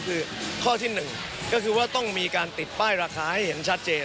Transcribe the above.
คือข้อที่๑ก็คือว่าต้องมีการติดป้ายราคาให้เห็นชัดเจน